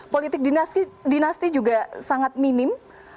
politik dinasti juga sangat minim